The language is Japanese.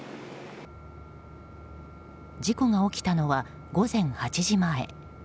事故が起きたのは午前８時前。